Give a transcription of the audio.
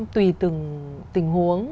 tùy từng tình huống